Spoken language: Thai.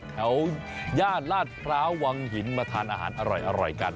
แถวย่านราชพระวังหินมาทานอาหารอร่อยกัน